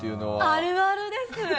あるあるです！